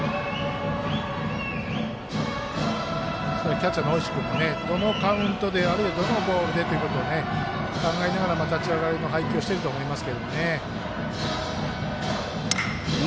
キャッチャーの大石君もどのカウントであるいはどのボールでというのを考えながら、立ち上がりの配球してると思います。